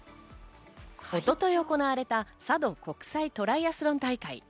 一昨日行われた佐渡国際トライアスロン大会。